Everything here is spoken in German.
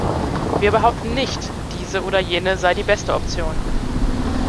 Wir behaupten nicht, diese oder jene sei die beste Option.